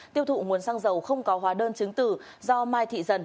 tiêu thụ nguồn xăng dầu không có hóa đơn chứng tử do mai thị dần